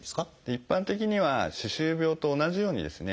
一般的には歯周病と同じようにですね